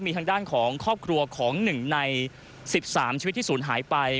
มีทางด้านของครอบครัวของ๑ใน๑๓ชีวิตที่ศูนย์หายไป